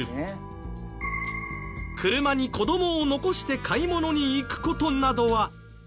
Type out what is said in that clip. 車に子どもを残して買い物に行く事などは。